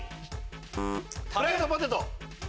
フライドポテト。